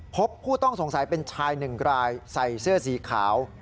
พบผู้ต้องสงสัยเป็นชายหนึ่งรายใส่เสื้อสีขาว